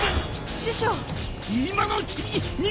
師匠！